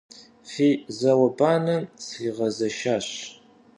Фи зауэ-банэм сригъэзэшащ.